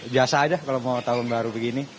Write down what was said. biasa aja kalau mau tahun baru begini